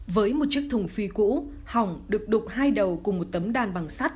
với một chiếc thùng phi cũ hỏng được đục hai đầu cùng một tấm đan bằng sắt